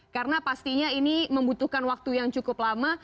karena pastinya ini membutuhkan waktu yang cukup lama